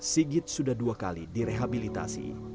sigit sudah dua kali direhabilitasi